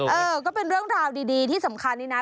เออก็เป็นเรื่องราวดีที่สำคัญนี่นะ